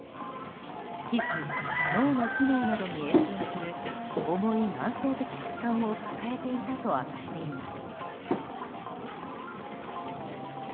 皮膚、脳の機能などに影響する重い慢性的疾患を抱えていたと明かしています。